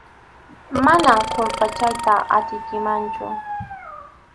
Manam qurpachayta atiykimanchu.